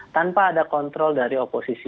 tanpa ada kontrol dari oposisi